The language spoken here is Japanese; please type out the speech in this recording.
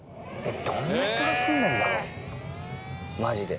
どんな人が住んでんだろうマジで。